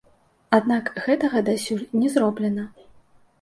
Аднак гэтага дасюль не зроблена.